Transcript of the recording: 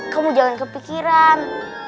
kamu jangan kepikiran